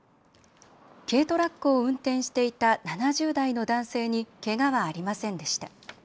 軽トラックを運転していた７０代の男性にけがはありませんでした。